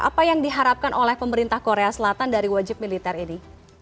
apa yang diharapkan oleh pemerintah korea selatan dari wajib militer ini